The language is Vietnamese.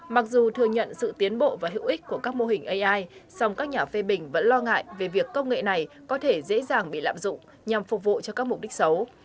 mặc dù thừa nhận sự tiến bộ và hữu ích của các mô hình ai song các nhà phê bình vẫn lo ngại về việc công nghệ này có thể dễ dàng bị lạm dụng nhằm phục vụ cho các mục đích xấu